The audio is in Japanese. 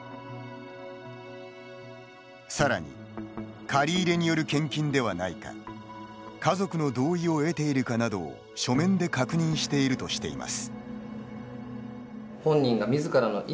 さらに借り入れによる献金ではないか家族の同意を得ているかなどを書面で確認しているとしています。